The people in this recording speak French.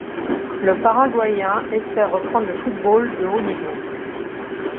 Le Paraguayen espère reprendre le football de haut niveau.